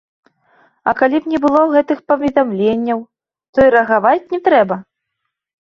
А калі б не было гэтых паведамленняў, то і рэагаваць не трэба?